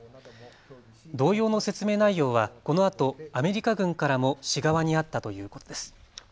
同様の説明内容はこのあとアメリカ軍からも市側にあったということです。